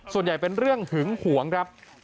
ส่วนใหญ่เป็นเรื่องหึงห่วงครับ